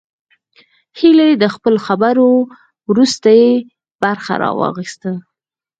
هيلې د خپلو خبرو وروستۍ برخه راواخيسته